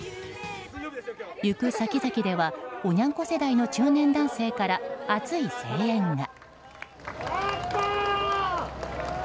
行く先々ではおニャン子世代の中年男性から熱い声援が。